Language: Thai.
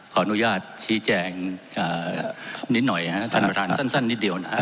ขออนุญาตชี้แจงนิดหน่อยนะครับท่านประธานสั้นนิดเดียวนะครับ